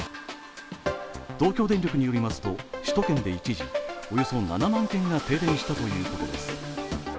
東京電力によりますと首都圏で一時、およそ７万軒が停電したということです。